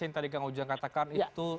yang tadi kang ujang katakan itu